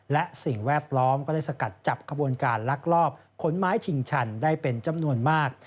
และสิ่งแวดล้อมก็ได้สกัดจับขบวนการลักลอบขนไม้ชิงชันได้เป็นจำนวนมาก